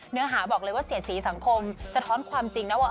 เนื้อหาบอกเลยว่าเสียสีสังคมสะท้อนความจริงนะว่า